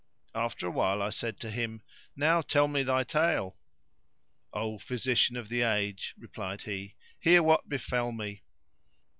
After a while I said to him, "Now tell me thy tale." "O Physician of the age," replied he, "hear what befell me.